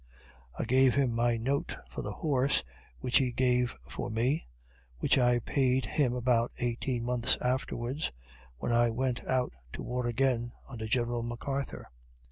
I gave him my note for the horse which he gave for me, which I paid him about eighteen months afterwards, when I went out to war again, under General McArthur.